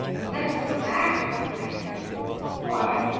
"Let us go back," I said. "Why?"